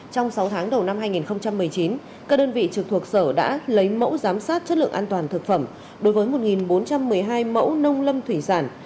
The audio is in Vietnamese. trong sáu tháng đầu năm hai nghìn một mươi chín các đơn vị trực thuộc sở đã lấy mẫu giám sát chất lượng an toàn thực phẩm đối với một bốn trăm một mươi hai mẫu nông lâm thủy sản